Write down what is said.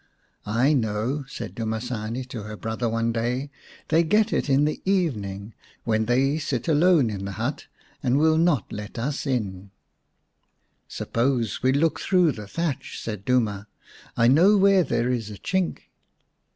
" I know," said Dumasane to her brother one day. " They get it in the evening when they sit alone in the hut and will not let us in." 119 The Fairy Bird x " Suppose we look through the thatch," said Duma. " I know where there is a chink."